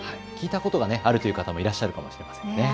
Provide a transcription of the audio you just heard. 聞いたことがあるという方もいらっしゃるかもしれませんね。